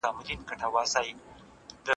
افغان کډوال خپلواکي سیاسي پریکړي نه سي کولای.